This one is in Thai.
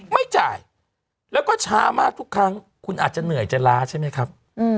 ไม่จ่ายแล้วก็ช้ามากทุกครั้งคุณอาจจะเหนื่อยจะล้าใช่ไหมครับ